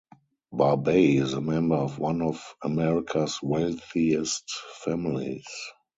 Barbey is a member of one of America's wealthiest families.